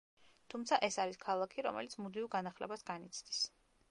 თუმცა, ეს არის ქალაქი, რომელიც მუდმივ განახლებას განიცდის.